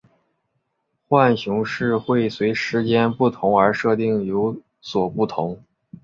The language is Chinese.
浣熊市会随时间不同而设定有所不同。